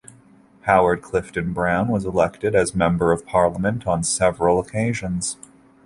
Howard Clifton Brown was elected as member of Parliament on several occasions.